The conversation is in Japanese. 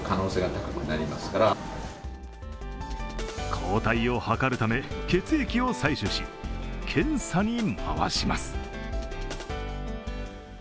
抗体を測るため、血液を採取し、検査に回します。